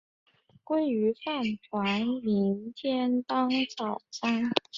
鲑鱼饭团明天当早餐